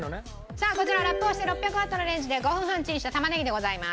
さあこちらラップをして６００ワットのレンジで５分チンした玉ねぎでございます。